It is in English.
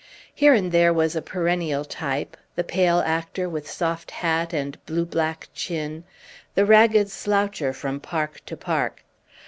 Here and there was a perennial type, the pale actor with soft hat and blue black chin, the ragged sloucher from park to park.